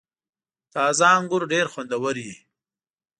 • تازه انګور ډېر خوندور وي.